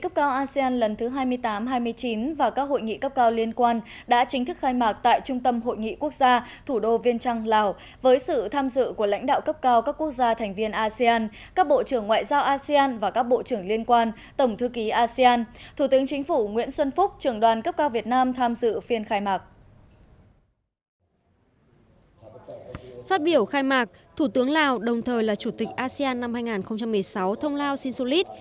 phát biểu khai mạc thủ tướng lào đồng thời là chủ tịch asean năm hai nghìn một mươi sáu thông lao sin sulit